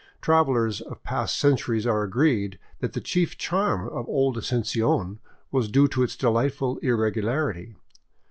Travelers of past centuries are agreed that the chief charm of old Asuncion was due to its delightful irregularity.